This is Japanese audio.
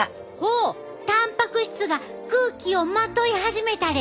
おたんぱく質が空気をまとい始めたで！